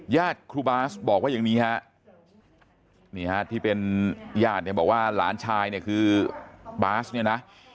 ญาติครูบาสบอกว่าอย่างนี้ฮะนี่ฮะที่เป็นญาติเนี่ยบอกว่าหลานชายเนี่ยคือบาสเนี่ยนะ